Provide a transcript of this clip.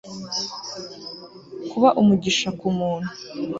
kuba umugisha kumuntu